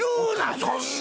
そんなん。